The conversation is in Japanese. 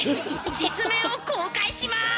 実名を公開します！